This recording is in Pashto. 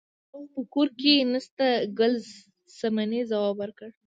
هغه خو په کور کې نشته ګل صمنې ځواب ورکړ.